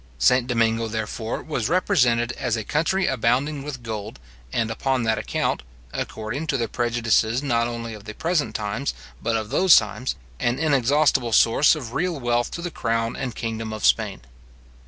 St. Domingo, therefore, was represented as a country abounding with gold, and upon that account (according to the prejudices not only of the present times, but of those times), an inexhaustible source of real wealth to the crown and kingdom of Spain.